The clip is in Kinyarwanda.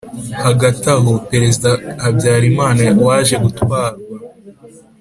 hagati aho, perezida habyarimana, waje gutwarwa